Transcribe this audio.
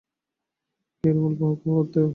Caramel খাওয়া বাদ দাও।